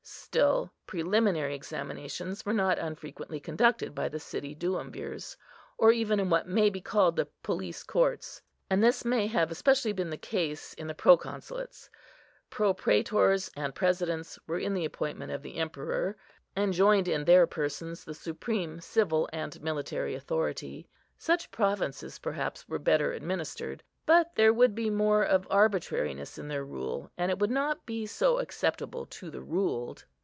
Still, preliminary examinations were not unfrequently conducted by the city Duumvirs, or even in what may be called the police courts. And this may have especially been the case in the Proconsulates. Proprætors and Presidents were in the appointment of the Emperor, and joined in their persons the supreme civil and military authority. Such provinces, perhaps, were better administered; but there would be more of arbitrariness in their rule, and it would not be so acceptable to the ruled.